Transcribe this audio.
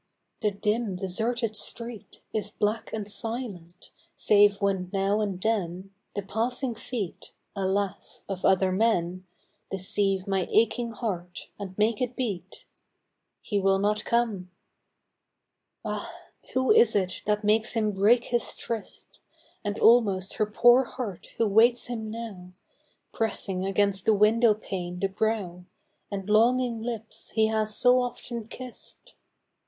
The dim deserted street Is black and silent, save when now and then, The passing feet (alas !) of other men Deceive my aching heart and make it beat — He will not come ! Ah ! who is it that makes him break his tryst, And almost her poor heart who waits him now, Pressing against the window pane the brow, And longing Hps he has so often kiss'd